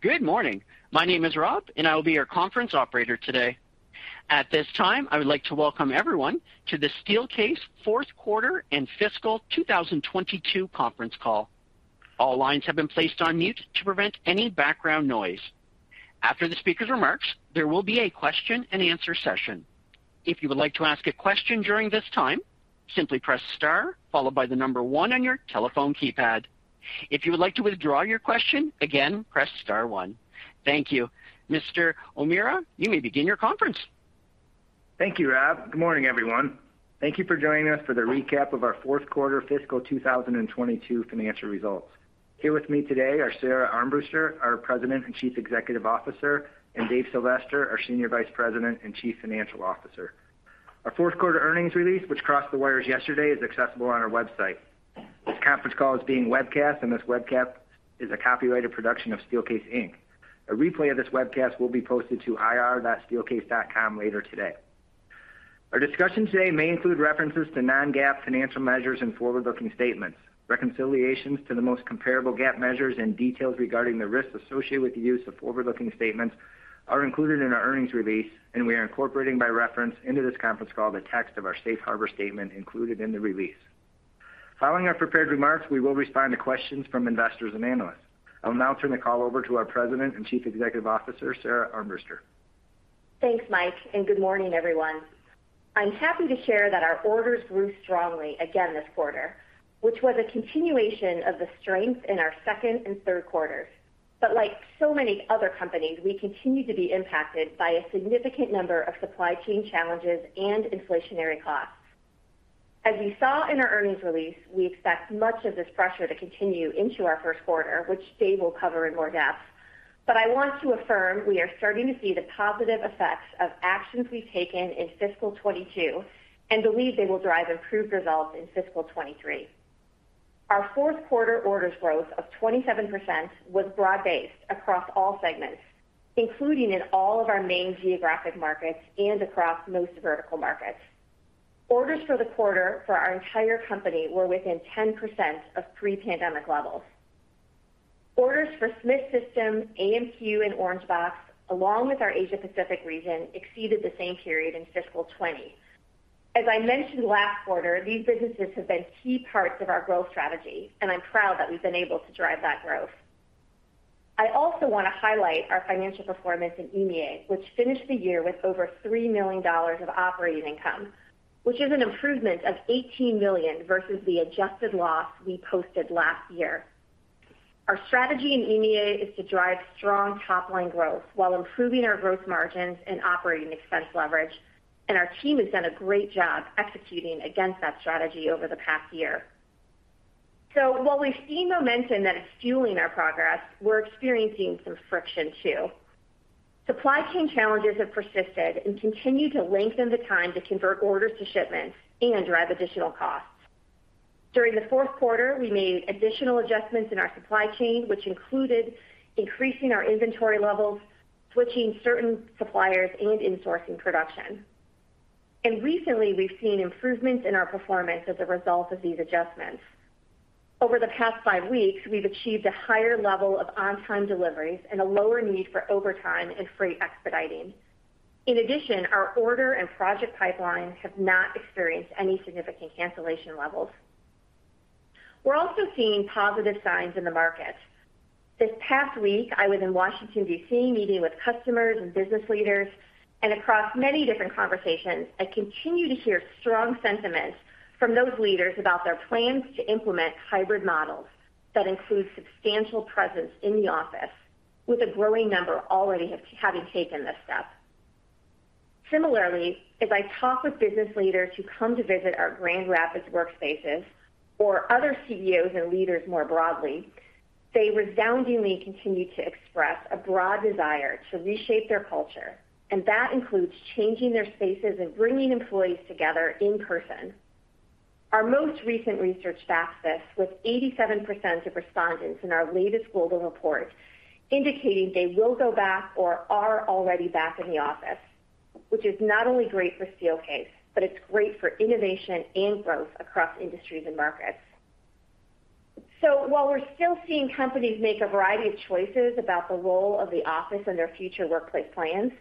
Good morning. My name is Rob, and I will be your conference operator today. At this time, I would like to welcome everyone to the Steelcase Q4 and Fiscal 2022 conference call. All lines have been placed on mute to prevent any background noise. After the speaker's remarks, there will be a question-and-answer session. If you would like to ask a question during this time, simply press star followed by the number one on your telephone keypad. If you would like to withdraw your question again, press star one. Thank you. Mr. O'Meara, you may begin your conference. Thank you, Rob. Good morning, everyone. Thank you for joining us for the recap of our Q4 fiscal 2022 financial results. Here with me today are Sara Armbruster, our President and Chief Executive Officer, and Dave Sylvester, our Senior Vice President and Chief Financial Officer. Our fourth quarter earnings release, which crossed the wires yesterday, is accessible on our website. This conference call is being webcast, and this webcast is a copyrighted production of Steelcase Inc. A replay of this webcast will be posted to ir.steelcase.com later today. Our discussion today may include references to non-GAAP financial measures and forward-looking statements. Reconciliations to the most comparable GAAP measures and details regarding the risks associated with the use of forward-looking statements are included in our earnings release, and we are incorporating by reference into this conference call the text of our safe harbor statement included in the release. Following our prepared remarks, we will respond to questions from investors and analysts. I will now turn the call over to our President and Chief Executive Officer, Sara Armbruster. Thanks, Mike, and good morning, everyone. I'm happy to share that our orders grew strongly again this quarter, which was a continuation of the strength in our second and third quarters. Like so many other companies, we continue to be impacted by a significant number of supply chain challenges and inflationary costs. As you saw in our earnings release, we expect much of this pressure to continue into our first quarter, which Dave will cover in more depth. I want to affirm we are starting to see the positive effects of actions we've taken in fiscal 2022 and believe they will drive improved results in fiscal 2023. Our Q4 orders growth of 27% was broad-based across all segments, including in all of our main geographic markets and across most vertical markets. Orders for the quarter for our entire company were within 10% of pre-pandemic levels. Orders for Smith System, AMQ, and Orangebox, along with our Asia Pacific region, exceeded the same period in fiscal 2020. As I mentioned last quarter, these businesses have been key parts of our growth strategy, and I'm proud that we've been able to drive that growth. I also want to highlight our financial performance in EMEA, which finished the year with over $3 million of operating income, which is an improvement of $18 million versus the adjusted loss we posted last year. Our strategy in EMEA is to drive strong top-line growth while improving our gross margins and operating expense leverage, and our team has done a great job executing against that strategy over the past year. While we've seen momentum that is fueling our progress, we're experiencing some friction too. Supply chain challenges have persisted and continue to lengthen the time to convert orders to shipments and drive additional costs. During the Q4, we made additional adjustments in our supply chain, which included increasing our inventory levels, switching certain suppliers, and insourcing production. Recently, we've seen improvements in our performance as a result of these adjustments. Over the past five weeks, we've achieved a higher level of on-time deliveries and a lower need for overtime and freight expediting. In addition, our order and project pipelines have not experienced any significant cancellation levels. We're also seeing positive signs in the market. This past week, I was in Washington, D.C., meeting with customers and business leaders, and across many different conversations, I continue to hear strong sentiments from those leaders about their plans to implement hybrid models that include substantial presence in the office with a growing number already having taken this step. Similarly, as I talk with business leaders who come to visit our Grand Rapids workspaces or other CEOs and leaders more broadly, they resoundingly continue to express a broad desire to reshape their culture, and that includes changing their spaces and bringing employees together in person. Our most recent research backs this with 87% of respondents in our latest global report indicating they will go back or are already back in the office, which is not only great for Steelcase, but it's great for innovation and growth across industries and markets. While we're still seeing companies make a variety of choices about the role of the office in their future workplace plans,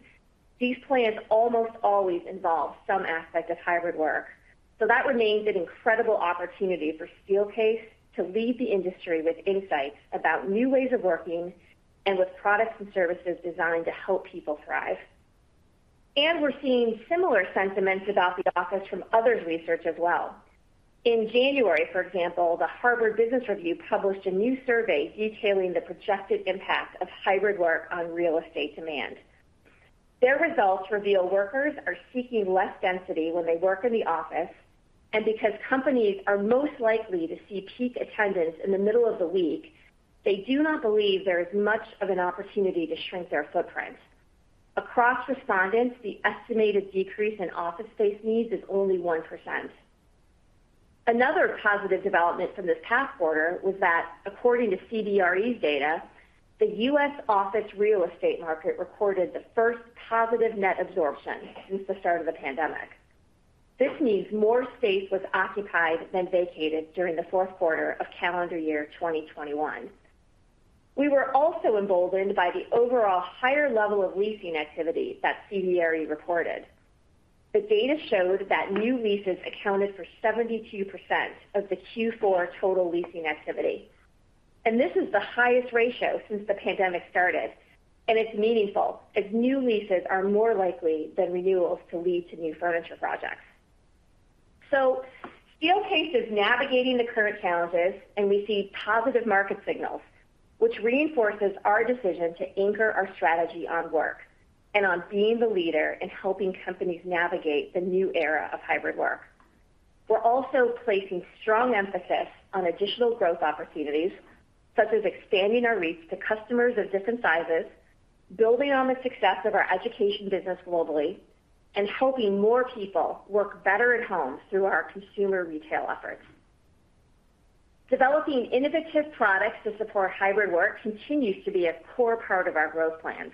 these plans almost always involve some aspect of hybrid work. That remains an incredible opportunity for Steelcase to lead the industry with insights about new ways of working and with products and services designed to help people thrive. We're seeing similar sentiments about the office from others' research as well. In January, for example, the Harvard Business Review published a new survey detailing the projected impact of hybrid work on real estate demand. Their results reveal workers are seeking less density when they work in the office, and because companies are most likely to see peak attendance in the middle of the week, they do not believe there is much of an opportunity to shrink their footprint. Across respondents, the estimated decrease in office space needs is only 1%. Another positive development from this past quarter was that according to CBRE's data, the U.S. office real estate market recorded the first positive net absorption since the start of the pandemic. This means more space was occupied than vacated during the fourth quarter of calendar year 2021. We were also emboldened by the overall higher level of leasing activity that CBRE reported. The data showed that new leases accounted for 72% of the Q4 total leasing activity. This is the highest ratio since the pandemic started, and it's meaningful as new leases are more likely than renewals to lead to new furniture projects. Steelcase is navigating the current challenges, and we see positive market signals, which reinforces our decision to anchor our strategy on work and on being the leader in helping companies navigate the new era of hybrid work. We're also placing strong emphasis on additional growth opportunities, such as expanding our reach to customers of different sizes, building on the success of our education business globally, and helping more people work better at home through our consumer retail efforts. Developing innovative products to support hybrid work continues to be a core part of our growth plans.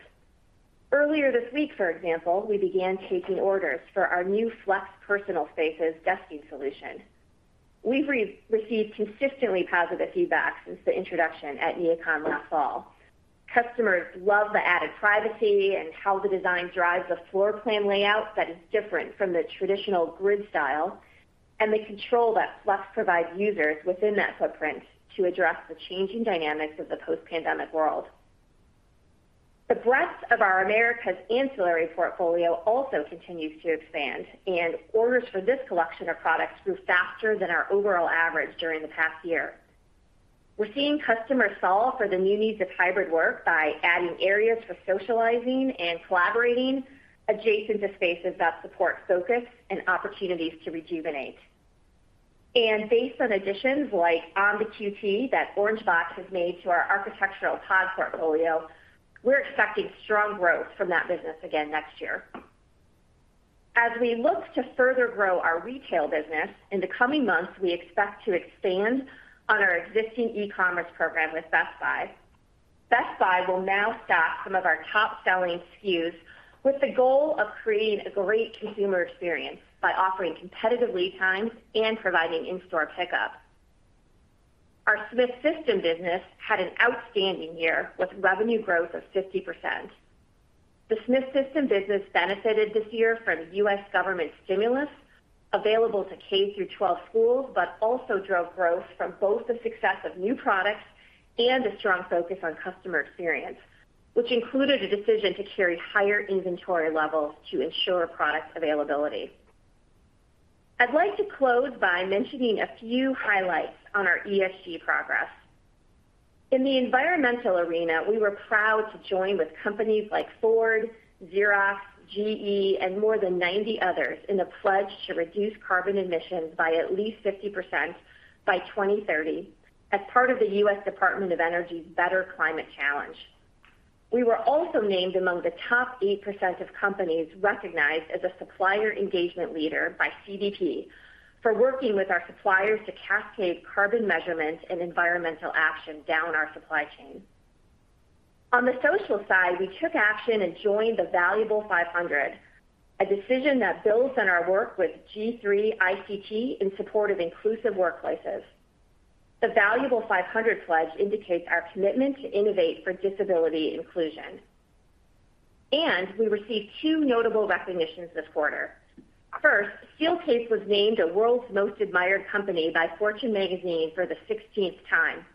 Earlier this week, for example, we began taking orders for our new Flex Personal Spaces desking solution. We've received consistently positive feedback since the introduction at NeoCon last fall. Customers love the added privacy and how the design drives a floor plan layout that is different from the traditional grid style and the control that Flex provides users within that footprint to address the changing dynamics of the post-pandemic world. The breadth of our Americas ancillary portfolio also continues to expand, and orders for this collection of products grew faster than our overall average during the past year. We're seeing customers solve for the new needs of hybrid work by adding areas for socializing and collaborating adjacent to spaces that support focus and opportunities to rejuvenate. Based on additions like on the QT that Orangebox has made to our architectural pod portfolio, we're expecting strong growth from that business again next year. As we look to further grow our retail business, in the coming months, we expect to expand on our existing e-commerce program with Best Buy. Best Buy will now stock some of our top-selling SKUs with the goal of creating a great consumer experience by offering competitive lead times and providing in-store pickup. Our Smith System business had an outstanding year with revenue growth of 50%. The Smith System business benefited this year from U.S. government stimulus available to K-12 schools, but also drove growth from both the success of new products and a strong focus on customer experience, which included a decision to carry higher inventory levels to ensure product availability. I'd like to close by mentioning a few highlights on our ESG progress. In the environmental arena, we were proud to join with companies like Ford, Xerox, GE, and more than 90 others in a pledge to reduce carbon emissions by at least 50% by 2030 as part of the U.S. Department of Energy's Better Climate Challenge. We were also named among the top 8% of companies recognized as a supplier engagement leader by CDP for working with our suppliers to cascade carbon measurements and environmental action down our supply chain. On the social side, we took action and joined The Valuable 500, a decision that builds on our work with G3ict in support of inclusive workplaces. The Valuable 500 pledge indicates our commitment to innovate for disability inclusion. We received two notable recognitions this quarter. First, Steelcase was named the World's Most Admired Company by Fortune Magazine for the sixteenth time.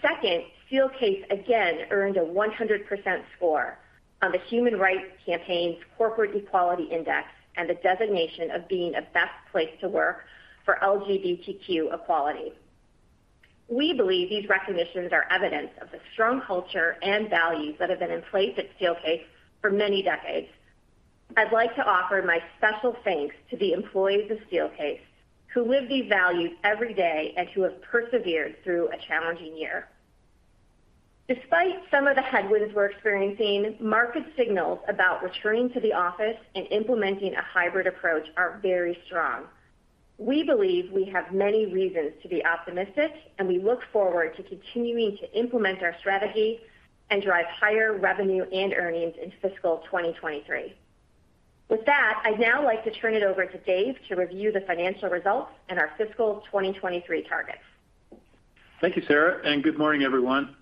Second, Steelcase again earned a 100% score on the Human Rights Campaign's Corporate Equality Index and the designation of being a Best Place to Work for LGBTQ Equality. We believe these recognitions are evidence of the strong culture and values that have been in place at Steelcase for many decades. I'd like to offer my special thanks to the employees of Steelcase who live these values every day and who have persevered through a challenging year. Despite some of the headwinds we're experiencing, market signals about returning to the office and implementing a hybrid approach are very strong. We believe we have many reasons to be optimistic, and we look forward to continuing to implement our strategy and drive higher revenue and earnings in fiscal 2023. With that, I'd now like to turn it over to David to review the financial results and our fiscal 2023 targets. Thank you, Sara, and good morning, everyone.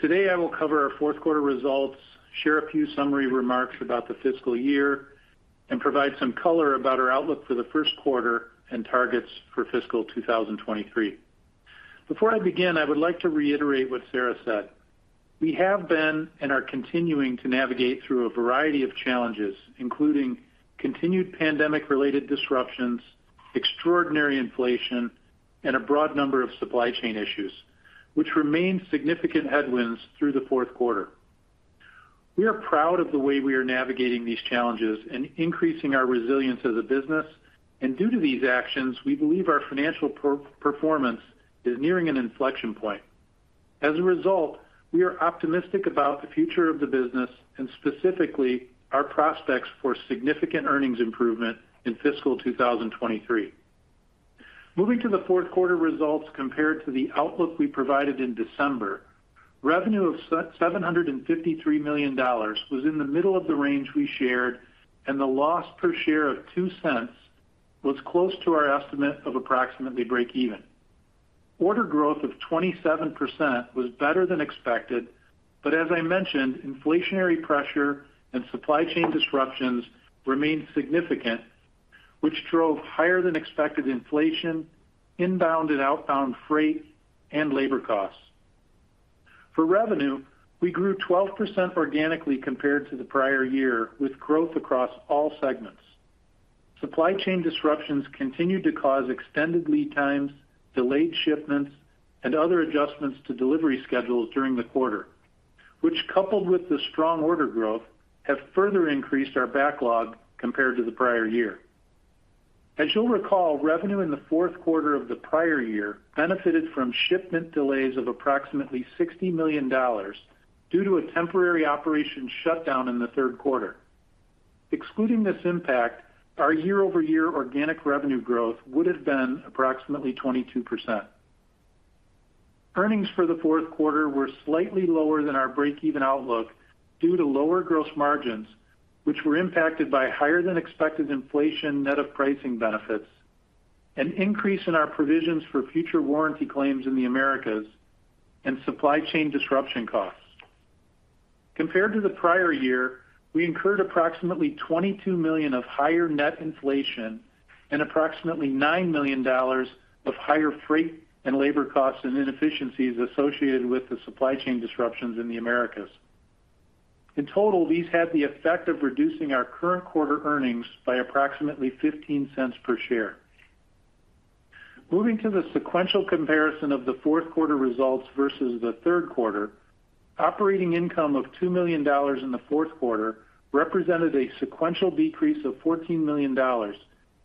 Today, I will cover our fourth quarter results, share a few summary remarks about the fiscal year, and provide some color about our outlook for the first quarter and targets for fiscal 2023. Before I begin, I would like to reiterate what Sarah said. We have been, and are continuing to navigate through a variety of challenges, including continued pandemic-related disruptions, extraordinary inflation, and a broad number of supply chain issues, which remain significant headwinds through the fourth quarter. We are proud of the way we are navigating these challenges and increasing our resilience as a business. Due to these actions, we believe our financial performance is nearing an inflection point. As a result, we are optimistic about the future of the business and specifically our prospects for significant earnings improvement in fiscal 2023. Moving to the fourth quarter results compared to the outlook we provided in December. Revenue of $753 million was in the middle of the range we shared, and the loss per share of $0.02 was close to our estimate of approximately break even. Order growth of 27% was better than expected, but as I mentioned, inflationary pressure and supply chain disruptions remained significant, which drove higher than expected inflation, inbound and outbound freight, and labor costs. For revenue, we grew 12% organically compared to the prior year, with growth across all segments. Supply chain disruptions continued to cause extended lead times, delayed shipments, and other adjustments to delivery schedules during the quarter, which, coupled with the strong order growth, have further increased our backlog compared to the prior year. As you'll recall, revenue in the fourth quarter of the prior year benefited from shipment delays of approximately $60 million due to a temporary operation shutdown in the third quarter. Excluding this impact, our year-over-year organic revenue growth would have been approximately 22%. Earnings for the fourth quarter were slightly lower than our break-even outlook due to lower gross margins, which were impacted by higher than expected inflation net of pricing benefits, an increase in our provisions for future warranty claims in the Americas, and supply chain disruption costs. Compared to the prior year, we incurred approximately $22 million of higher net inflation and approximately $9 million of higher freight and labor costs and inefficiencies associated with the supply chain disruptions in the Americas. In total, these had the effect of reducing our current quarter earnings by approximately $0.15 per share. Moving to the sequential comparison of the fourth quarter results versus the Q3, operating income of $2 million in the Q4 represented a sequential decrease of $14 million,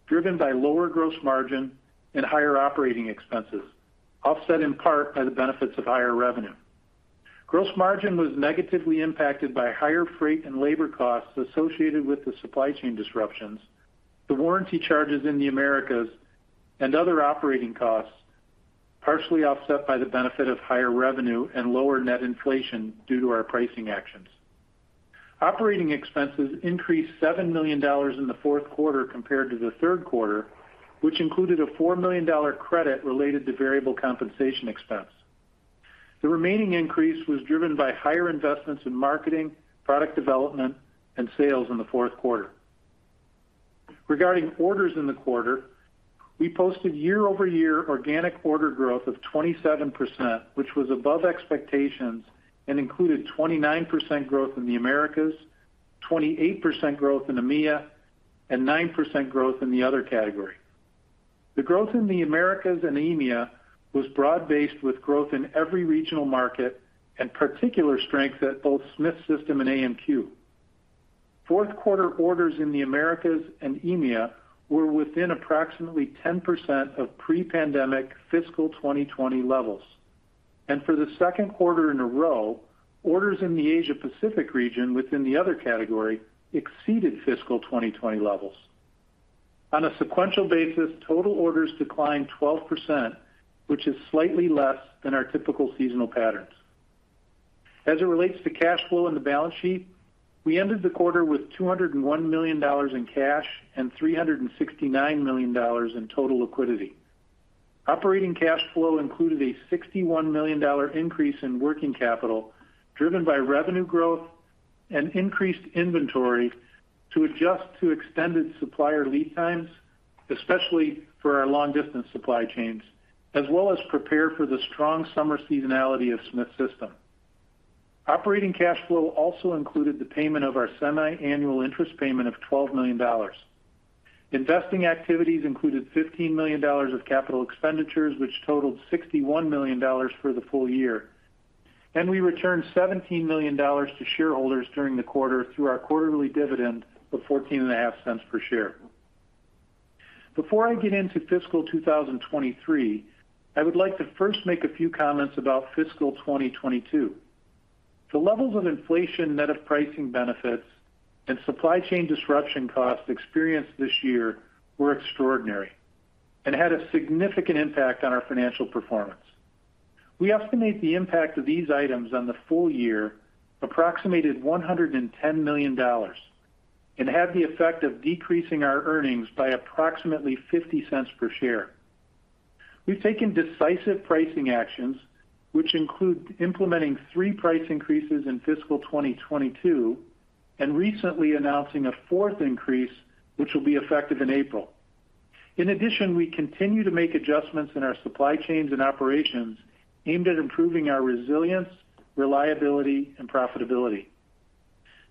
driven by lower gross margin and higher operating expenses, offset in part by the benefits of higher revenue. Gross margin was negatively impacted by higher freight and labor costs associated with the supply chain disruptions, the warranty charges in the Americas, and other operating costs, partially offset by the benefit of higher revenue and lower net inflation due to our pricing actions. Operating expenses increased $7 million in the Q4 compared to the Q3, which included a $4 million credit related to variable compensation expense. The remaining increase was driven by higher investments in marketing, product development, and sales in the Q4. Regarding orders in the quarter, we posted year-over-year organic order growth of 27%, which was above expectations and included 29% growth in the Americas, 28% growth in EMEA, and 9% growth in the other category. The growth in the Americas and EMEA was broad-based, with growth in every regional market and particular strength at both Smith System and AMQ. Fourth quarter orders in the Americas and EMEA were within approximately 10% of pre-pandemic fiscal 2020 levels. For the Q2 in a row, orders in the Asia-Pacific region within the other category exceeded fiscal 2020 levels. On a sequential basis, total orders declined 12%, which is slightly less than our typical seasonal patterns. As it relates to cash flow in the balance sheet, we ended the quarter with $201 million in cash and $369 million in total liquidity. Operating cash flow included a $61 million increase in working capital, driven by revenue growth and increased inventory to adjust to extended supplier lead times, especially for our long-distance supply chains, as well as prepare for the strong summer seasonality of Smith System. Operating cash flow also included the payment of our semiannual interest payment of $12 million. Investing activities included $15 million of capital expenditures, which totaled $61 million for the full year. We returned $17 million to shareholders during the quarter through our quarterly dividend of $0.145 per share. Before I get into fiscal 2023, I would like to first make a few comments about fiscal 2022. The levels of inflation net of pricing benefits and supply chain disruption costs experienced this year were extraordinary and had a significant impact on our financial performance. We estimate the impact of these items on the full year approximated $110 million and had the effect of decreasing our earnings by approximately $0.50 per share. We've taken decisive pricing actions, which include implementing 3 price increases in fiscal 2022 and recently announcing a fourth increase, which will be effective in April. In addition, we continue to make adjustments in our supply chains and operations aimed at improving our resilience, reliability, and profitability.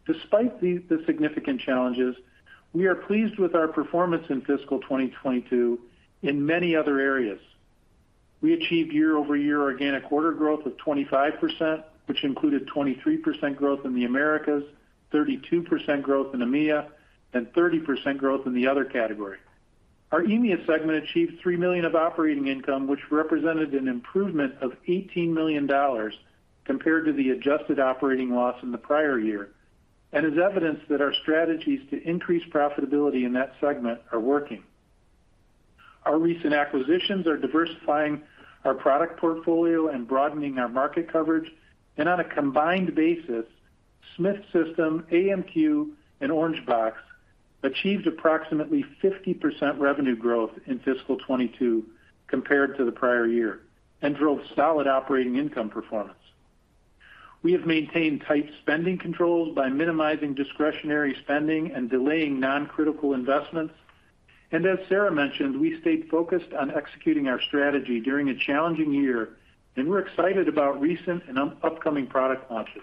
Despite the significant challenges, we are pleased with our performance in fiscal 2022 in many other areas. We achieved year-over-year organic order growth of 25%, which included 23% growth in the Americas, 32% growth in EMEA, and 30% growth in the other category. Our EMEA segment achieved $3 million of operating income, which represented an improvement of $18 million compared to the adjusted operating loss in the prior year. Is evidence that our strategies to increase profitability in that segment are working. Our recent acquisitions are diversifying our product portfolio and broadening our market coverage. On a combined basis, Smith System, AMQ, and Orangebox achieved approximately 50% revenue growth in fiscal 2022 compared to the prior year and drove solid operating income performance. We have maintained tight spending controls by minimizing discretionary spending and delaying non-critical investments. As Sarah mentioned, we stayed focused on executing our strategy during a challenging year, and we're excited about recent and upcoming product launches.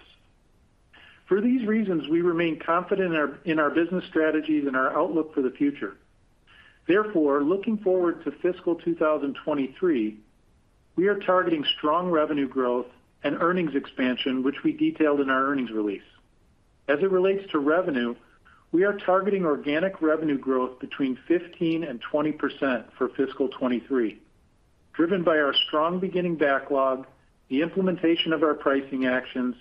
For these reasons, we remain confident in our business strategies and our outlook for the future. Therefore, looking forward to fiscal 2023, we are targeting strong revenue growth and earnings expansion, which we detailed in our earnings release. As it relates to revenue, we are targeting organic revenue growth between 15%-20% for fiscal 2023, driven by our strong beginning backlog, the implementation of our pricing actions,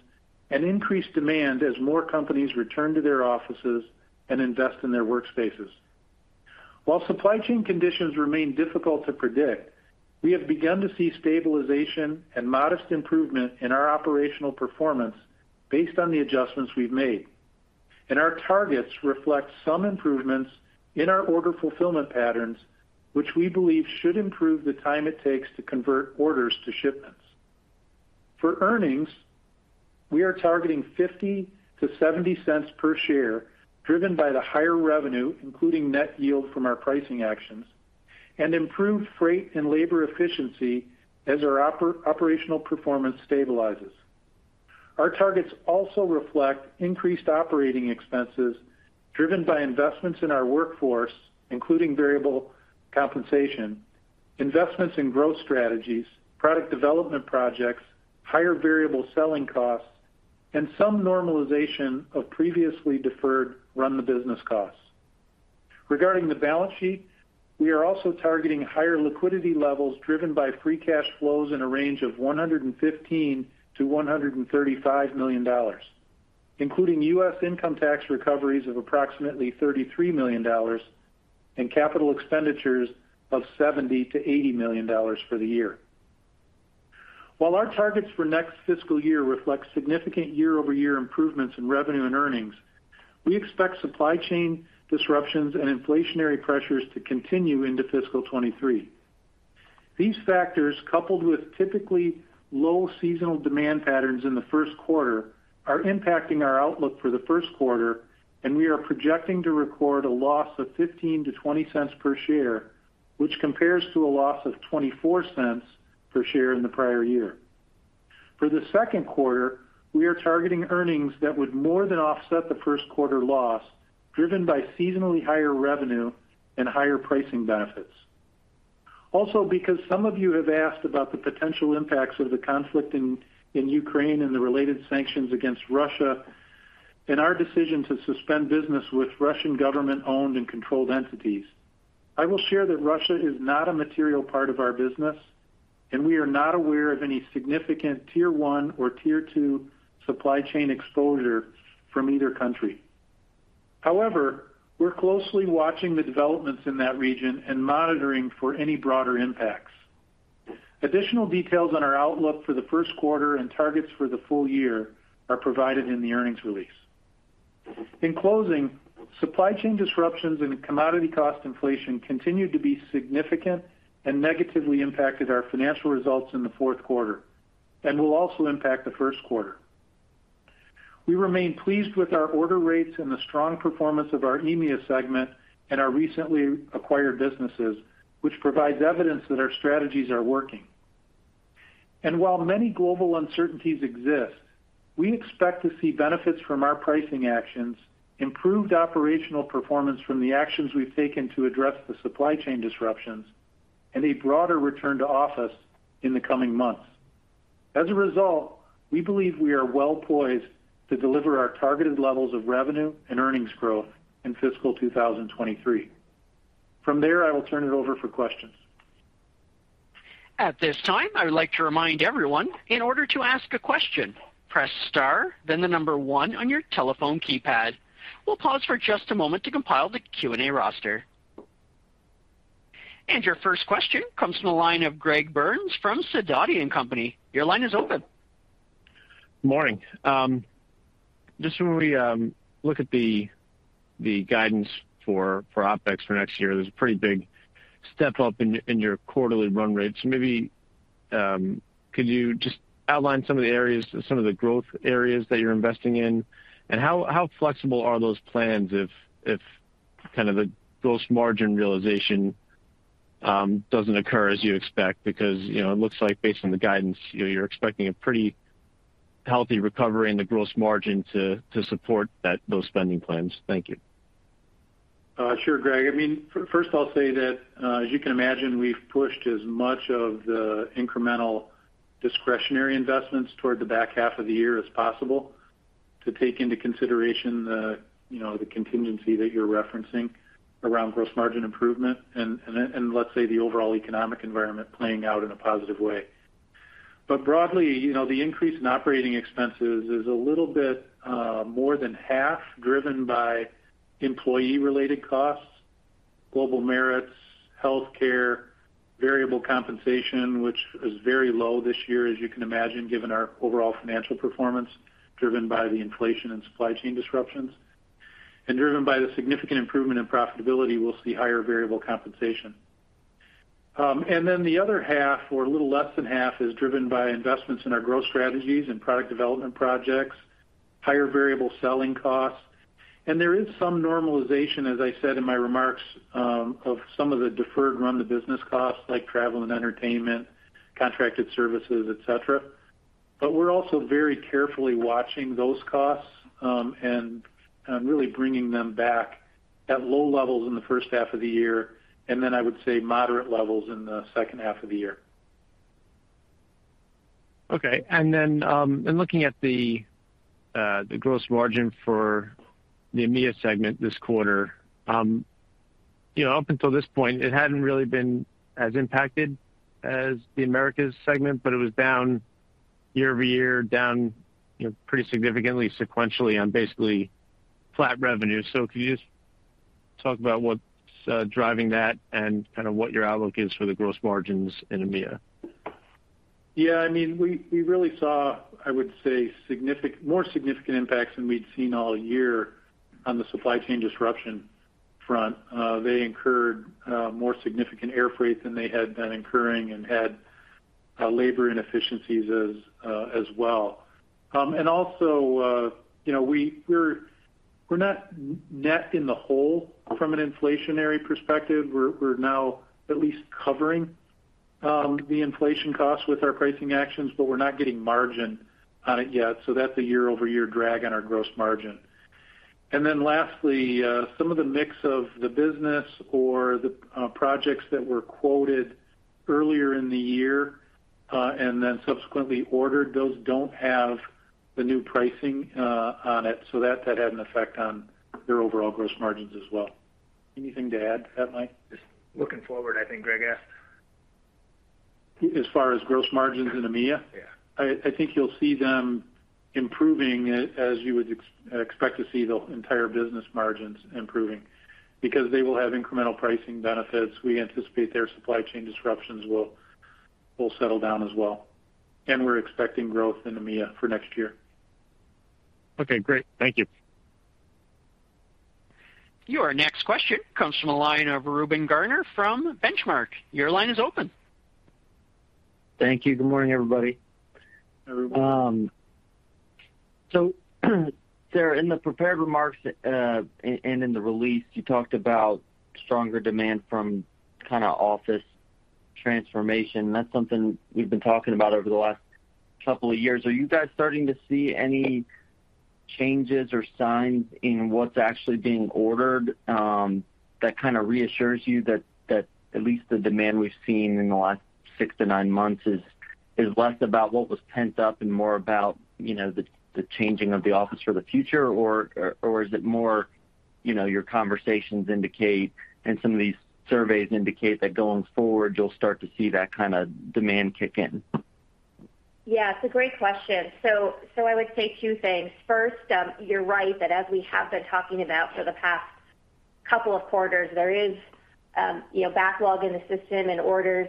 and increased demand as more companies return to their offices and invest in their workspaces. While supply chain conditions remain difficult to predict, we have begun to see stabilization and modest improvement in our operational performance based on the adjustments we've made. Our targets reflect some improvements in our order fulfillment patterns, which we believe should improve the time it takes to convert orders to shipments. For earnings, we are targeting $0.50-$0.70 per share, driven by the higher revenue, including net yield from our pricing actions, and improved freight and labor efficiency as our operational performance stabilizes. Our targets also reflect increased operating expenses driven by investments in our workforce, including variable compensation, investments in growth strategies, product development projects, higher variable selling costs, and some normalization of previously deferred run the business costs. Regarding the balance sheet, we are also targeting higher liquidity levels driven by free cash flows in a range of $115 million-$135 million, including U.S. income tax recoveries of approximately $33 million and capital expenditures of $70 million-$80 million for the year. While our targets for next fiscal year reflect significant YoY improvements in revenue and earnings, we expect supply chain disruptions and inflationary pressures to continue into fiscal 2023. These factors, coupled with typically low seasonal demand patterns in the Q1, are impacting our outlook for the first quarter, and we are projecting to record a loss of $0.15-$0.20 per share, which compares to a loss of $0.24 per share in the prior year. For the Q2, we are targeting earnings that would more than offset the Q1 loss, driven by seasonally higher revenue and higher pricing benefits. Also, because some of you have asked about the potential impacts of the conflict in Ukraine and the related sanctions against Russia, and our decision to suspend business with Russian government-owned and controlled entities, I will share that Russia is not a material part of our business, and we are not aware of any significant Tier 1 or Tier 2 supply chain exposure from either country. However, we're closely watching the developments in that region and monitoring for any broader impacts. Additional details on our outlook for the Q1 and targets for the full year are provided in the earnings release. In closing, supply chain disruptions and commodity cost inflation continued to be significant and negatively impacted our financial results in the fourth quarter, and will also impact the Q1. We remain pleased with our order rates and the strong performance of our EMEA segment and our recently acquired businesses, which provides evidence that our strategies are working. While many global uncertainties exist, we expect to see benefits from our pricing actions, improved operational performance from the actions we've taken to address the supply chain disruptions, and a broader return to office in the coming months. As a result, we believe we are well poised to deliver our targeted levels of revenue and earnings growth in fiscal 2023. From there, I will turn it over for questions. At this time, I would like to remind everyone, in order to ask a question, press star then the number one on your telephone keypad. We'll pause for just a moment to compile the Q&A roster. Your first question comes from the line of Greg Burns from Sidoti & Company. Your line is open. Morning. Just when we look at the guidance for OpEx for next year, there's a pretty big step up in your quarterly run rates. Maybe could you just outline some of the areas, some of the growth areas that you're investing in? How flexible are those plans if kind of the gross margin realization doesn't occur as you expect? Because, you know, it looks like based on the guidance, you know, you're expecting a pretty healthy recovery in the gross margin to support that, those spending plans. Thank you. Sure, Greg. I mean, first, I'll say that, as you can imagine, we've pushed as much of the incremental discretionary investments toward the back half of the year as possible to take into consideration the, you know, the contingency that you're referencing around gross margin improvement and then, let's say, the overall economic environment playing out in a positive way. Broadly, you know, the increase in operating expenses is a little bit more than half driven by employee-related costs, global merits, healthcare, variable compensation, which is very low this year as you can imagine, given our overall financial performance driven by the inflation and supply chain disruptions. Driven by the significant improvement in profitability, we'll see higher variable compensation. Then the other half or a little less than half is driven by investments in our growth strategies and product development projects, higher variable selling costs. There is some normalization, as I said in my remarks, of some of the deferred run-the-business costs like travel and entertainment, contracted services, et cetera. We're also very carefully watching those costs, and really bringing them back at low levels in the first half of the year, and then I would say moderate levels in the second half of the year. Okay. In looking at the gross margin for the EMEA segment this quarter, you know, up until this point, it hadn't really been as impacted as the Americas segment, but it was down year-over-year, down, you know, pretty significantly sequentially on basically flat revenue. Could you just talk about what's driving that and kind of what your outlook is for the gross margins in EMEA? Yeah. I mean, we really saw, I would say, more significant impacts than we'd seen all year on the supply chain disruption front. They incurred more significant air freight than they had been incurring and had labor inefficiencies as well. Also, you know, we're not net in the hole from an inflationary perspective. We're now at least covering the inflation costs with our pricing actions, but we're not getting margin on it yet. That's a YoY drag on our gross margin. Lastly, some of the mix of the business or the projects that were quoted earlier in the year and then subsequently ordered, those don't have the new pricing on it. That had an effect on their overall gross margins as well. Anything to add to that, Mike? Just looking forward, I think Greg asked. As far as gross margins in EMEA? Yeah. I think you'll see them improving as you would expect to see the entire business margins improving. Because they will have incremental pricing benefits, we anticipate their supply chain disruptions will settle down as well. We're expecting growth in EMEA for next year. Okay, great. Thank you. Your next question comes from the line of Reuben Garner from Benchmark. Your line is open. Thank you. Good morning, everybody. Hi, Reuben. Sara, in the prepared remarks, and in the release, you talked about stronger demand from kinda office transformation. That's something we've been talking about over the last couple of years. Are you guys starting to see any changes or signs in what's actually being ordered, that kinda reassures you that at least the demand we've seen in the last six to nine months is less about what was pent up and more about you know, the changing of the office for the future? Or is it more, you know, your conversations indicate and some of these surveys indicate that going forward, you'll start to see that kinda demand kick in? Yeah, it's a great question. I would say two things. First, you're right that as we have been talking about for the past couple of quarters, there is, you know, backlog in the system and orders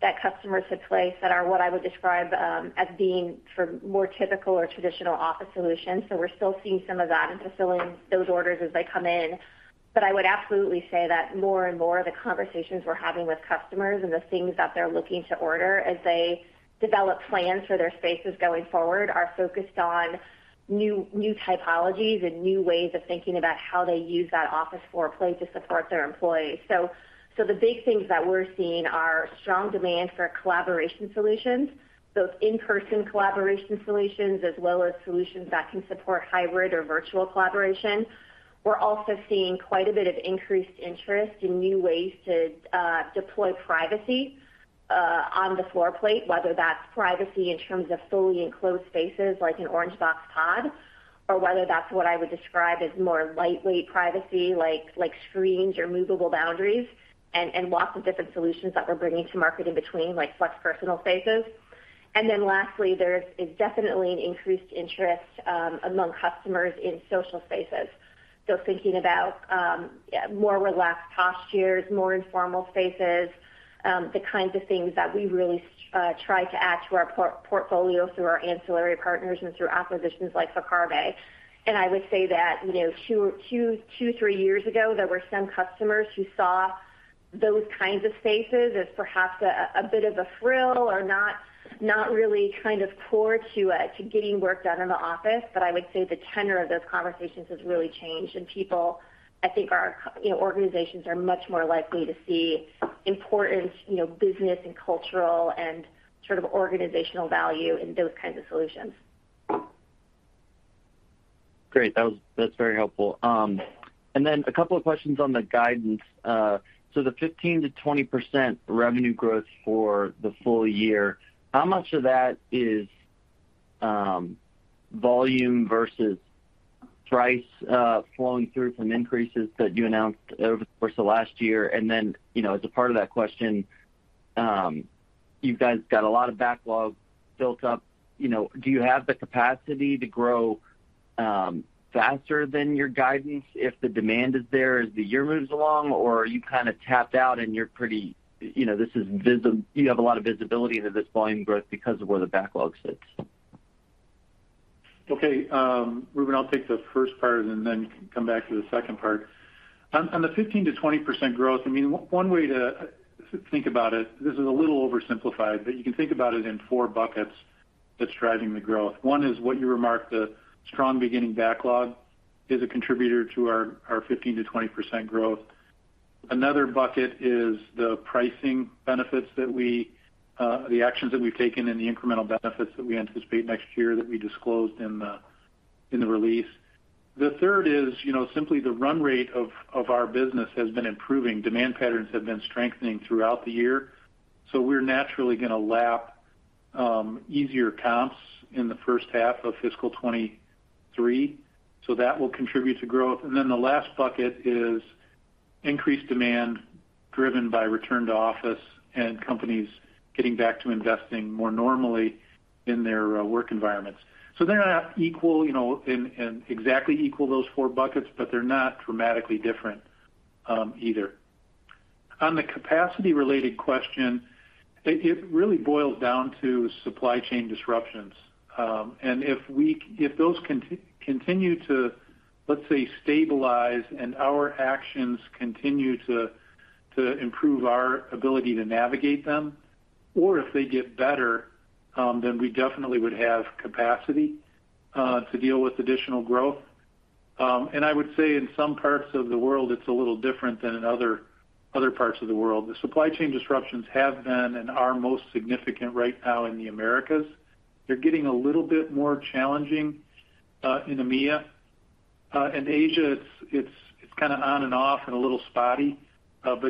that customers had placed that are what I would describe, as being for more typical or traditional office solutions. We're still seeing some of that and fulfilling those orders as they come in. I would absolutely say that more and more of the conversations we're having with customers and the things that they're looking to order as they develop plans for their spaces going forward are focused on new typologies and new ways of thinking about how they use that office floor plate to support their employees. The big things that we're seeing are strong demand for collaboration solutions, both in-person collaboration solutions as well as solutions that can support hybrid or virtual collaboration. We're also seeing quite a bit of increased interest in new ways to deploy privacy on the floor plate, whether that's privacy in terms of fully enclosed spaces like an Orangebox pod, or whether that's what I would describe as more lightweight privacy, like screens or movable boundaries and lots of different solutions that we're bringing to market in between, like Flex Personal Spaces. Lastly, there's definitely an increased interest among customers in social spaces. Thinking about more relaxed postures, more informal spaces, the kinds of things that we really try to add to our portfolio through our ancillary partners and through acquisitions like Viccarbe. I would say that, you know, two or three years ago, there were some customers who saw those kinds of spaces as perhaps a bit of a frill or not really kind of core to getting work done in the office. I would say the tenor of those conversations has really changed, and people, I think, are, you know, organizations are much more likely to see important, you know, business and cultural and sort of organizational value in those kinds of solutions. Great. That's very helpful. Then a couple of questions on the guidance. So the 15%-20% revenue growth for the full year, how much of that is, volume versus price, flowing through from increases that you announced over the course of last year? Then, you know, as a part of that question, you guys got a lot of backlog built up. You know, do you have the capacity to grow, faster than your guidance if the demand is there as the year moves along? Or are you kinda tapped out? You know, you have a lot of visibility into this volume growth because of where the backlog sits. Okay. Reuben, I'll take the first part and then come back to the second part. On the 15%-20% growth, I mean, one way to think about it, this is a little oversimplified, but you can think about it in four buckets that's driving the growth. One is what you remarked, the strong beginning backlog is a contributor to our 15%-20% growth. Another bucket is the pricing benefits that we the actions that we've taken and the incremental benefits that we anticipate next year that we disclosed in the release. The third is, you know, simply the run rate of our business has been improving. Demand patterns have been strengthening throughout the year, so we're naturally gonna lap easier comps in the first half of fiscal 2023, so that will contribute to growth. Then the last bucket is increased demand driven by return to office and companies getting back to investing more normally in their work environments. They're not equal, you know, and exactly equal those four buckets, but they're not dramatically different, either. On the capacity-related question, it really boils down to supply chain disruptions. If those continue to, let's say, stabilize and our actions continue to improve our ability to navigate them, or if they get better, then we definitely would have capacity to deal with additional growth. I would say in some parts of the world, it's a little different than in other parts of the world. The supply chain disruptions have been and are most significant right now in the Americas. They're getting a little bit more challenging in EMEA. In Asia, it's kinda on and off and a little spotty.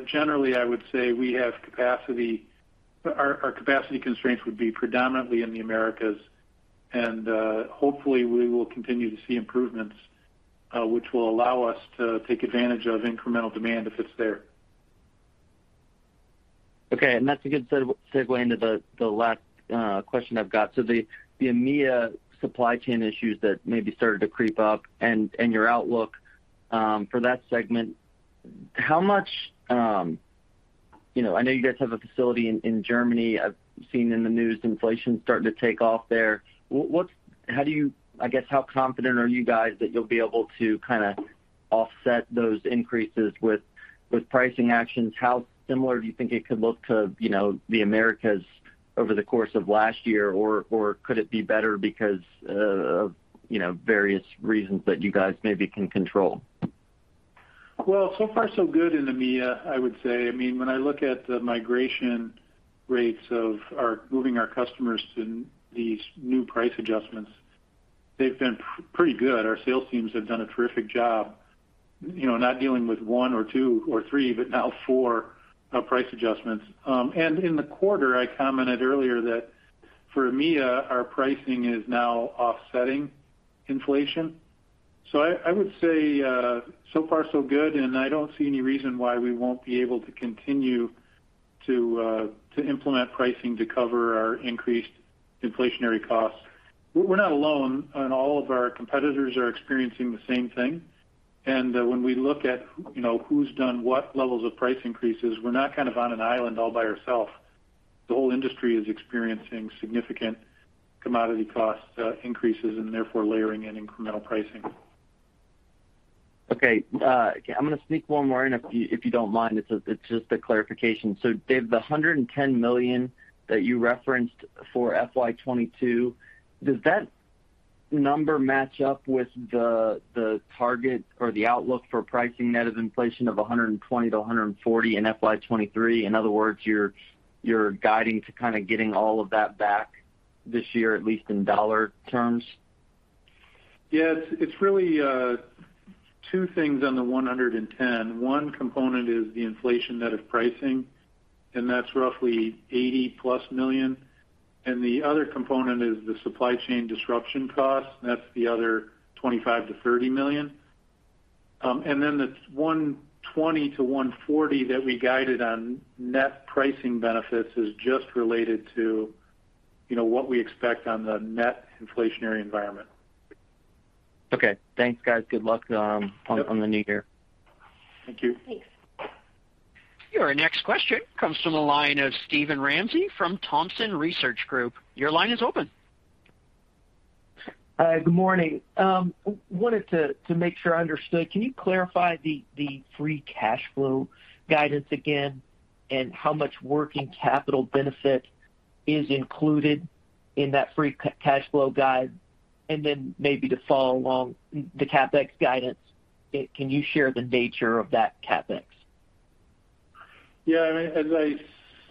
Generally, I would say we have capacity. Our capacity constraints would be predominantly in the Americas. Hopefully, we will continue to see improvements, which will allow us to take advantage of incremental demand if it's there. Okay. That's a good segue into the last question I've got. The EMEA supply chain issues that maybe started to creep up and your outlook for that segment, how much. You know, I know you guys have a facility in Germany. I've seen in the news inflation starting to take off there. I guess, how confident are you guys that you'll be able to kinda offset those increases with pricing actions? How similar do you think it could look to, you know, the Americas over the course of last year? Could it be better because of, you know, the various reasons that you guys maybe can control? Well, so far so good in EMEA, I would say. I mean, when I look at the migration rates of our moving our customers to these new price adjustments, they've been pretty good. Our sales teams have done a terrific job, you know, not dealing with one or two or three, but now four price adjustments. In the quarter, I commented earlier that for EMEA, our pricing is now offsetting inflation. I would say so far so good, and I don't see any reason why we won't be able to continue to implement pricing to cover our increased inflationary costs. We're not alone, and all of our competitors are experiencing the same thing. When we look at, you know, who's done what levels of price increases, we're not kind of on an island all by ourself. The whole industry is experiencing significant commodity cost increases and therefore layering in incremental pricing. Okay. I'm gonna sneak one more in if you, if you don't mind. It's just a clarification. So Dave, the $110 million that you referenced for FY 2022, does that number match up with the target or the outlook for pricing net of inflation of $120-$140 in FY 2023? In other words, you're guiding to kinda getting all of that back this year, at least in dollar terms? Yeah. It's really two things on the $110 million. One component is the inflation net of pricing, and that's roughly $80+ million. The other component is the supply chain disruption cost. That's the other $25 million-$30 million. The 120 to 140 that we guided on net pricing benefits is just related to, you know, what we expect on the net inflationary environment. Okay. Thanks, guys. Good luck on the new year. Thank you. Thanks. Your next question comes from the line of Steven Ramsey from Thompson Research Group. Your line is open. Good morning. I wanted to make sure I understood. Can you clarify the free cash flow guidance again and how much working capital benefit is included in that free cash flow guide? Then maybe to follow along, the CapEx guidance, can you share the nature of that CapEx? Yeah. I mean, as I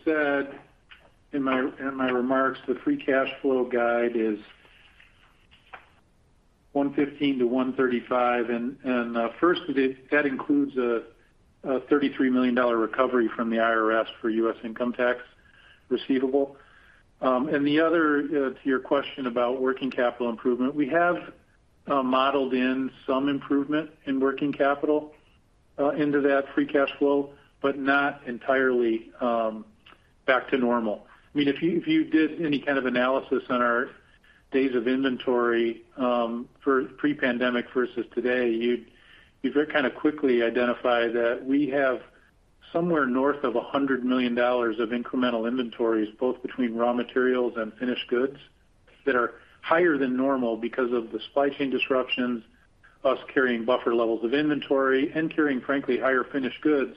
said in my remarks, the free cash flow guide is $115 million-$135 million. That includes a $33 million recovery from the IRS for U.S. income tax receivable. To your question about working capital improvement, we have modeled in some improvement in working capital into that free cash flow, but not entirely back to normal. I mean, if you did any kind of analysis on our days of inventory for pre-pandemic versus today, you'd very kind of quickly identify that we have somewhere north of $100 million of incremental inventories, both between raw materials and finished goods that are higher than normal because of the supply chain disruptions, us carrying buffer levels of inventory and carrying, frankly, higher finished goods.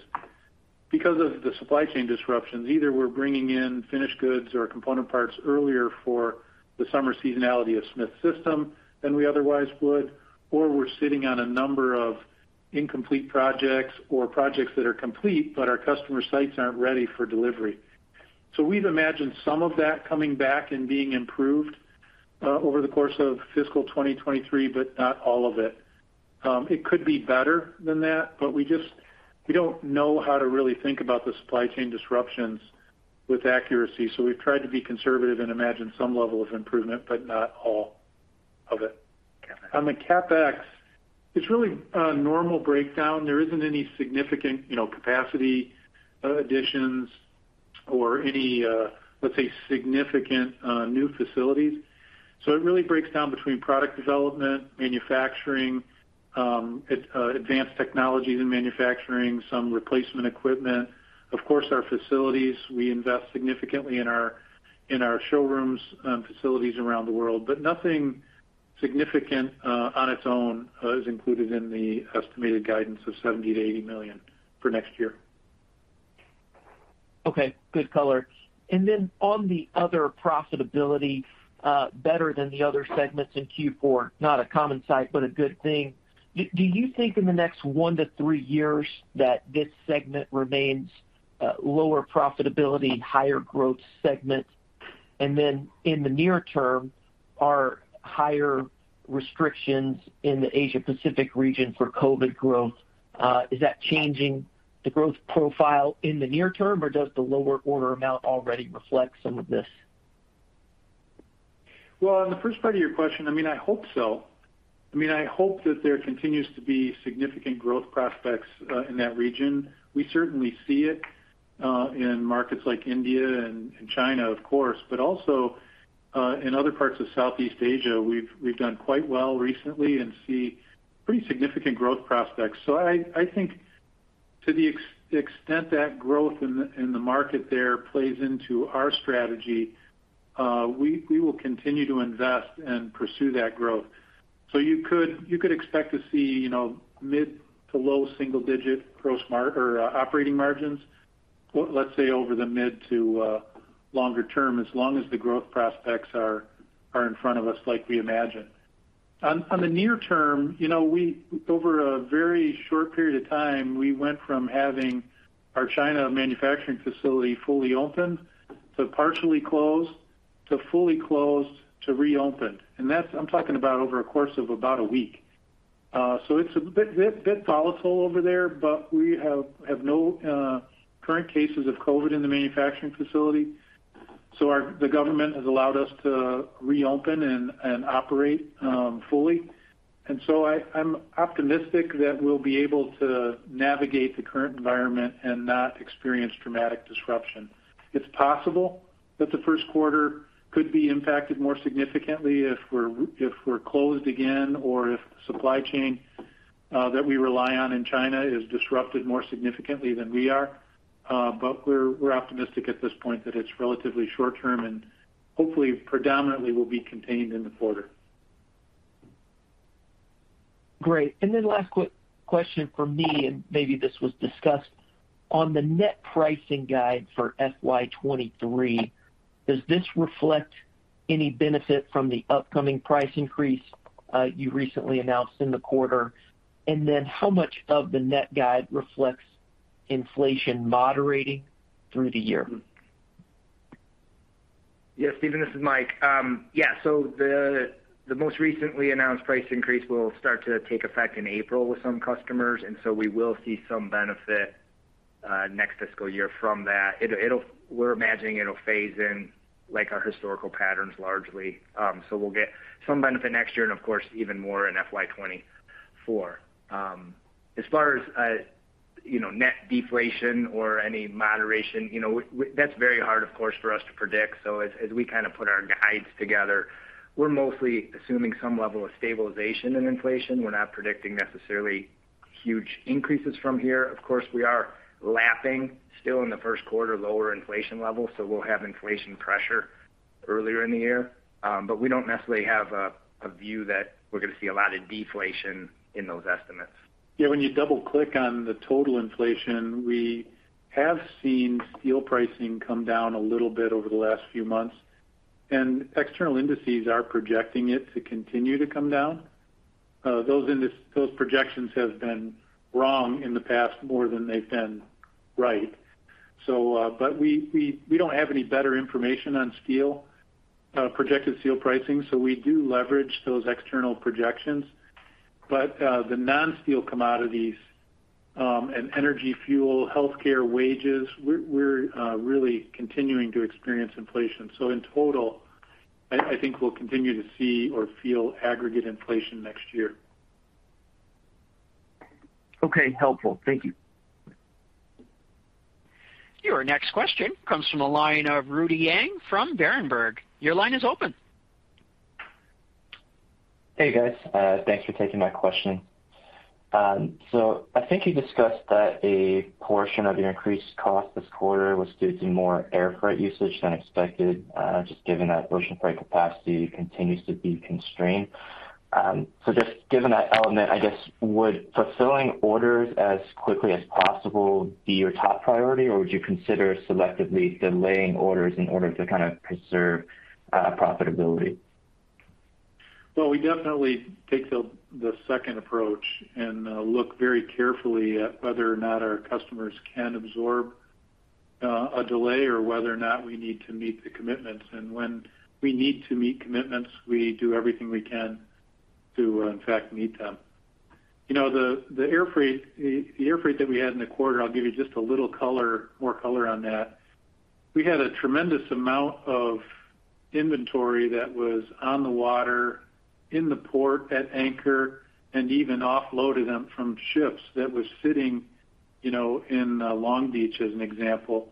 Because of the supply chain disruptions, either we're bringing in finished goods or component parts earlier for the summer seasonality of Smith System than we otherwise would, or we're sitting on a number of incomplete projects or projects that are complete, but our customer sites aren't ready for delivery. We've imagined some of that coming back and being improved over the course of fiscal 2023, but not all of it. It could be better than that, but we don't know how to really think about the supply chain disruptions with accuracy. We've tried to be conservative and imagine some level of improvement, but not all of it. Okay. On the CapEx, it's really a normal breakdown. There isn't any significant capacity additions or any, let's say, significant new facilities. It really breaks down between product development, manufacturing, advanced technologies and manufacturing, some replacement equipment. Of course, our facilities, we invest significantly in our showrooms, facilities around the world, but nothing significant on its own is included in the estimated guidance of $70 million-$80 million for next year. Okay, good color. On the other profitability, better than the other segments in Q4, not a common sight, but a good thing. Do you think in the next one to three years that this segment remains lower profitability and higher growth segment? In the near term, are higher restrictions in the Asia Pacific region for COVID growth changing the growth profile in the near term, or does the lower order amount already reflect some of this? Well, on the first part of your question, I mean, I hope so. I mean, I hope that there continues to be significant growth prospects in that region. We certainly see it in markets like India and China, of course, but also in other parts of Southeast Asia, we've done quite well recently and see pretty significant growth prospects. I think to the extent that growth in the market there plays into our strategy, we will continue to invest and pursue that growth. You could expect to see, you know, mid- to low-single-digit operating margins, let's say over the mid- to longer term, as long as the growth prospects are in front of us like we imagine. In the near term, you know, over a very short period of time, we went from having our China manufacturing facility fully open to partially closed, to fully closed, to reopened. That's over a course of about a week. It's a bit volatile over there, but we have no current cases of COVID in the manufacturing facility. The government has allowed us to reopen and operate fully. I'm optimistic that we'll be able to navigate the current environment and not experience dramatic disruption. It's possible that the first quarter could be impacted more significantly if we're closed again or if supply chain that we rely on in China is disrupted more significantly than we are. We're optimistic at this point that it's relatively short term and hopefully predominantly will be contained in the quarter. Great. Last question from me, and maybe this was discussed. On the net pricing guide for FY 2023, does this reflect any benefit from the upcoming price increase you recently announced in the quarter? How much of the net guide reflects inflation moderating through the year? Yeah, Stephen, this is Mike. Yeah, so the most recently announced price increase will start to take effect in April with some customers, and so we will see some benefit next fiscal year from that. We're imagining it'll phase in like our historical patterns largely. So we'll get some benefit next year and of course, even more in FY 2024. As far as, you know, net deflation or any moderation, you know, that's very hard, of course, for us to predict. So as we kinda put our guides together, we're mostly assuming some level of stabilization in inflation. We're not predicting necessarily huge increases from here. Of course, we are lapping still in the first quarter, lower inflation levels, so we'll have inflation pressure earlier in the year. We don't necessarily have a view that we're gonna see a lot of deflation in those estimates. Yeah, when you double-click on the total inflation, we have seen steel pricing come down a little bit over the last few months, and external indices are projecting it to continue to come down. Those projections have been wrong in the past more than they've been right. We don't have any better information on steel projected steel pricing, so we do leverage those external projections. The non-steel commodities and energy fuel, healthcare wages, we're really continuing to experience inflation. In total, I think we'll continue to see or feel aggregate inflation next year. Okay. Helpful. Thank you. Your next question comes from the line of Rudy Yang from Berenberg. Your line is open. Hey, guys. Thanks for taking my question. I think you discussed that a portion of your increased cost this quarter was due to more air freight usage than expected, just given that ocean freight capacity continues to be constrained. Just given that element, I guess, would fulfilling orders as quickly as possible be your top priority, or would you consider selectively delaying orders in order to kind of preserve profitability? Well, we definitely take the second approach and look very carefully at whether or not our customers can absorb a delay or whether or not we need to meet the commitments. When we need to meet commitments, we do everything we can to, in fact, meet them. You know, the air freight that we had in the quarter, I'll give you just a little color, more color on that. We had a tremendous amount of inventory that was on the water, in the port, at anchor, and even offloaded from ships that was sitting, you know, in Long Beach, as an example,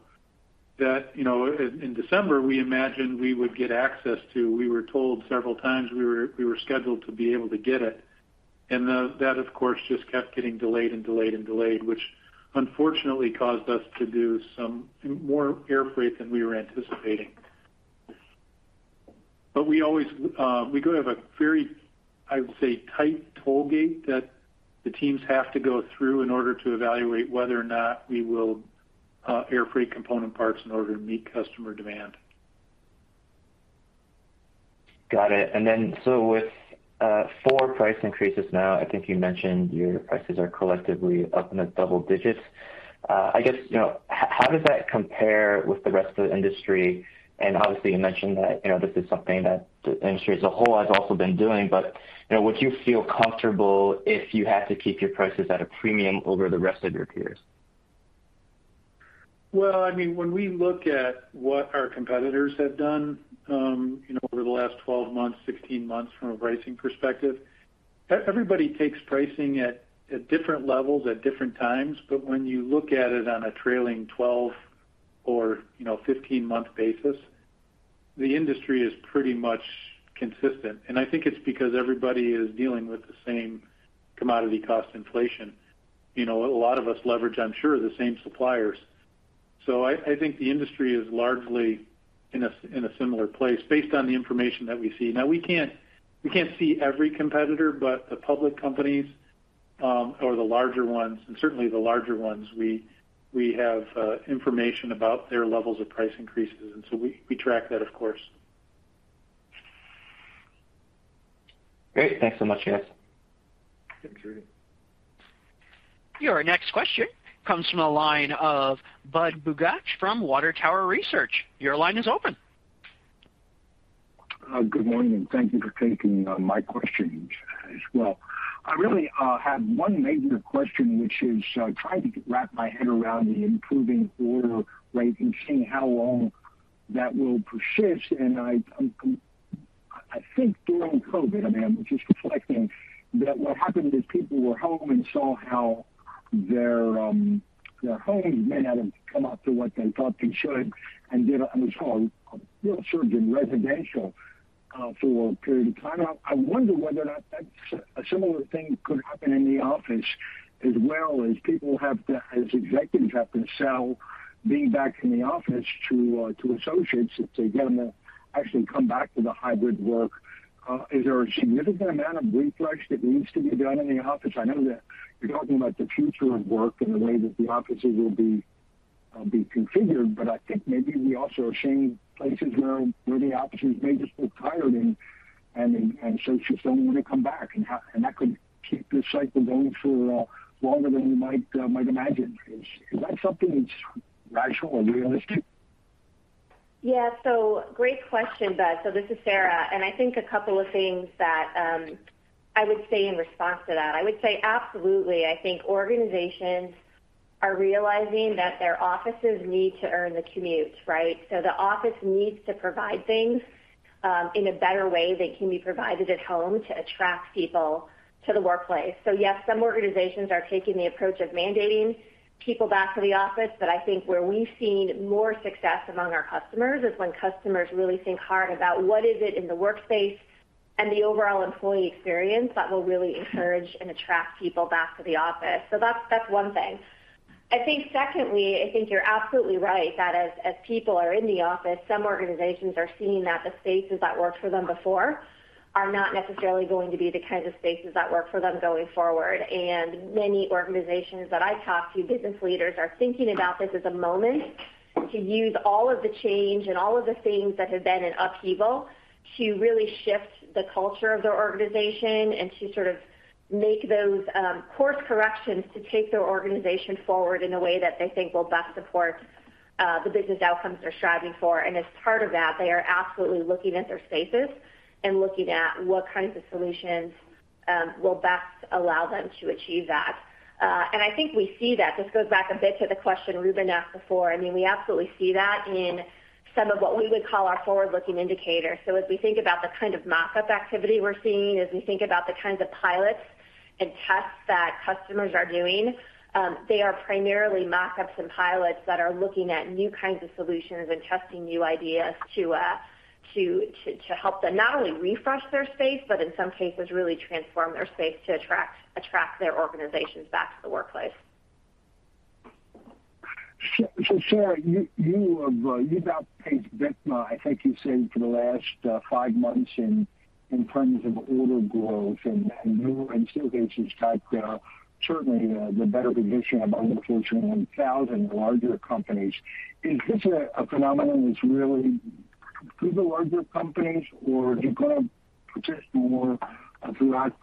that, you know, in December, we imagined we would get access to. We were told several times we were scheduled to be able to get it. That, of course, just kept getting delayed, which unfortunately caused us to do some more air freight than we were anticipating. We always do have a very, I would say, tight toll gate that the teams have to go through in order to evaluate whether or not we will air freight component parts in order to meet customer demand. Got it. With four price increases now, I think you mentioned your prices are collectively up in the double digits. I guess, you know, how does that compare with the rest of the industry? Obviously, you mentioned that, you know, this is something that the industry as a whole has also been doing. You know, would you feel comfortable if you had to keep your prices at a premium over the rest of your peers? Well, I mean, when we look at what our competitors have done, you know, over the last 12 months, 16 months from a pricing perspective, everybody takes pricing at different levels at different times. When you look at it on a trailing 12 or, you know, 15-month basis, the industry is pretty much consistent. I think it's because everybody is dealing with the same commodity cost inflation. You know, a lot of us leverage, I'm sure, the same suppliers. I think the industry is largely in a similar place based on the information that we see. Now, we can't see every competitor, but the public companies or the larger ones, and certainly the larger ones, we have information about their levels of price increases, and so we track that, of course. Great. Thanks so much, guys. Thanks, Rudy. Your next question comes from the line of Bud Bugatch from Water Tower Research. Your line is open. Good morning. Thank you for taking my questions as well. I really have one major question, which is trying to wrap my head around the improving order rate and seeing how long that will persist. I think during COVID, I mean, I'm just reflecting that what happened is people were home and saw how their homes may not have come up to what they thought they should and saw a real surge in residential for a period of time. I wonder whether or not a similar thing could happen in the office as well as executives have to sell being back in the office to associates to get them to actually come back to the hybrid work. Is there a significant amount of refresh that needs to be done in the office? I know that you're talking about the future of work and the way that the offices will be configured, but I think maybe we also are seeing places where the offices may just look tired and associates don't want to come back, and that could keep this cycle going for longer than we might imagine. Is that something that's rational or realistic? Yeah. Great question, Bud. This is Sara. I think a couple of things that I would say in response to that. I would say absolutely. I think organizations are realizing that their offices need to earn the commutes, right? The office needs to provide things in a better way that can be provided at home to attract people to the workplace. Yes, some organizations are taking the approach of mandating people back to the office. I think where we've seen more success among our customers is when customers really think hard about what is it in the workspace and the overall employee experience that will really encourage and attract people back to the office. That's one thing. I think secondly, I think you're absolutely right that as people are in the office, some organizations are seeing that the spaces that worked for them before are not necessarily going to be the kinds of spaces that work for them going forward. Many organizations that I talk to, business leaders are thinking about this as a moment to use all of the change and all of the things that have been in upheaval to really shift the culture of their organization and to sort of make those course corrections to take their organization forward in a way that they think will best support the business outcomes they're striving for. As part of that, they are absolutely looking at their spaces and looking at what kinds of solutions will best allow them to achieve that. I think we see that. This goes back a bit to the question Reuben asked before. I mean, we absolutely see that in some of what we would call our forward-looking indicators. As we think about the kind of mock-up activity we're seeing, as we think about the kinds of pilots and tests that customers are doing, they are primarily mock-ups and pilots that are looking at new kinds of solutions and testing new ideas to help them not only refresh their space, but in some cases really transform their space to attract their organizations back to the workplace. Sarah, you have outpaced BIFMA, I think you said, for the last 5 months in terms of order growth and new installations type. Certainly the better position among the Fortune 1000 larger companies. Is this a phenomenon that's really throughout the larger companies or do you believe it exists more throughout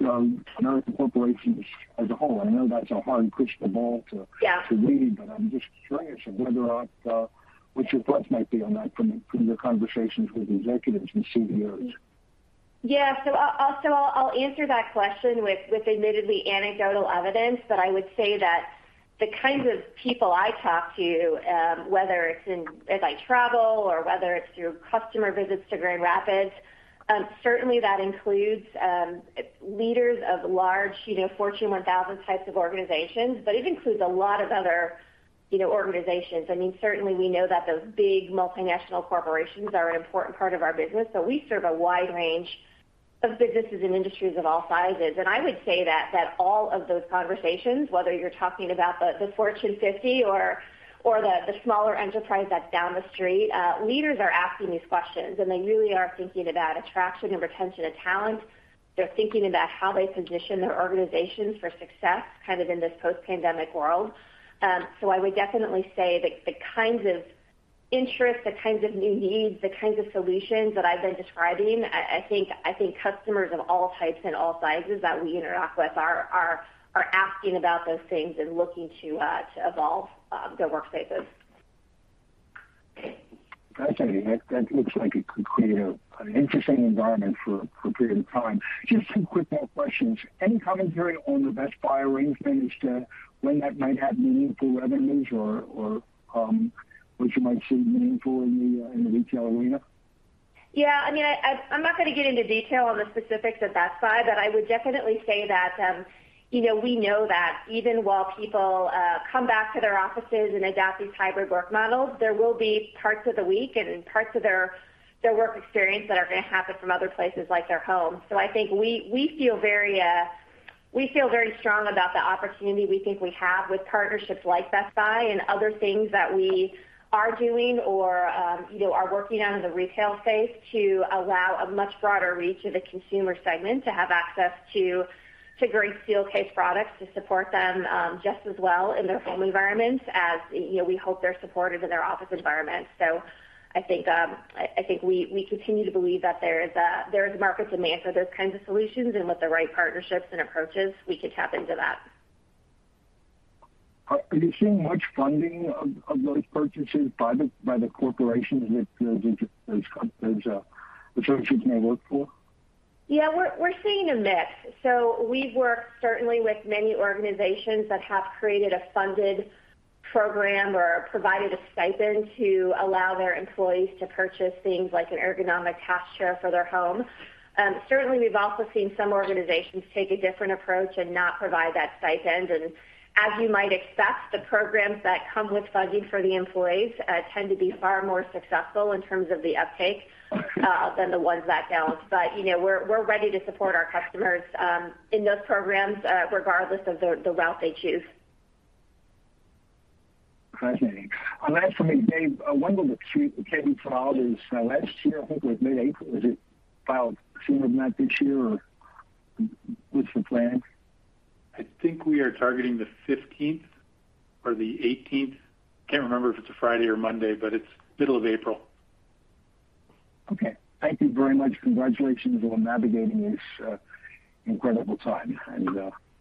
American corporations as a whole? I know that's a hard crystal ball to- Yeah. to read, but I'm just curious of whether or not what your thoughts might be on that from your conversations with executives and CEOs. Yeah. I'll answer that question with admittedly anecdotal evidence, but I would say that the kinds of people I talk to, whether it's as I travel or whether it's through customer visits to Grand Rapids, certainly that includes leaders of large, you know, Fortune 1000 types of organizations, but it includes a lot of other, you know, organizations. I mean, certainly we know that those big multinational corporations are an important part of our business, but we serve a wide range of businesses and industries of all sizes. I would say that all of those conversations, whether you're talking about the Fortune 50 or the smaller enterprise that's down the street, leaders are asking these questions, and they really are thinking about attraction and retention of talent. They're thinking about how they position their organizations for success kind of in this post-pandemic world. I would definitely say the kinds of interest, the kinds of new needs, the kinds of solutions that I've been describing, I think customers of all types and all sizes that we interact with are asking about those things and looking to evolve their workspaces. Fascinating. That looks like it could create an interesting environment for a period of time. Just some quick more questions. Any commentary on the Best Buy arrangement as to when that might have meaningful revenues or what you might see meaningful in the retail arena? Yeah, I mean, I'm not gonna get into detail on the specifics of Best Buy, but I would definitely say that, you know, we know that even while people come back to their offices and adopt these hybrid work models, there will be parts of the week and parts of their work experience that are gonna happen from other places like their home. I think we feel very strong about the opportunity we think we have with partnerships like Best Buy and other things that we are doing or are working on in the retail space to allow a much broader reach of the consumer segment to have access to great Steelcase products to support them just as well in their home environments as, you know, we hope they're supported in their office environments. I think we continue to believe that there is market demand for those kinds of solutions, and with the right partnerships and approaches, we could tap into that. Are you seeing much funding of those purchases by the corporations that those services may work for? Yeah, we're seeing a mix. We've worked certainly with many organizations that have created a funded program or provided a stipend to allow their employees to purchase things like an ergonomic task chair for their home. Certainly we've also seen some organizations take a different approach and not provide that stipend. As you might expect, the programs that come with funding for the employees tend to be far more successful in terms of the uptake than the ones that don't. You know, we're ready to support our customers in those programs regardless of the route they choose. Fascinating. On that same Dave, I wonder what 10-K you filed is last year, I think it was mid-April. Is it filed sooner than that this year or what's the plan? I think we are targeting the fifteenth or the eighteenth. Can't remember if it's a Friday or Monday, but it's middle of April. Okay. Thank you very much. Congratulations on navigating this incredible time, and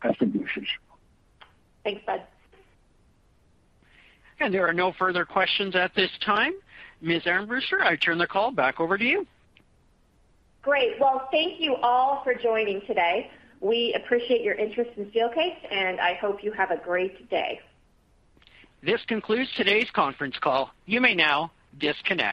best of wishes. Thanks, Bud. There are no further questions at this time. Ms. Armbruster, I turn the call back over to you. Great. Well, thank you all for joining today. We appreciate your interest in Steelcase, and I hope you have a great day. This concludes today's conference call. You may now disconnect.